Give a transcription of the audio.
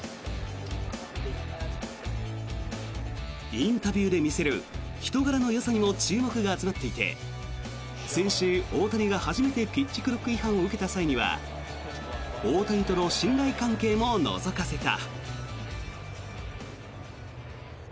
インタビューで見せる人柄のよさにも注目が集まっていて先週、大谷が初めてピッチクロック違反を受けた際には大谷との信頼関係ものぞかせた。